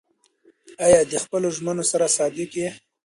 ایا ته د خپلو ژمنو سره صادق یې؟